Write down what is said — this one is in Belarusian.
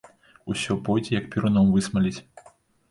Усё пойдзе, як перуном высмаліць.